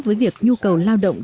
với việc nhu cầu lao động